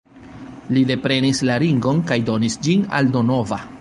Li deprenis la ringon kaj donis ĝin al Donova.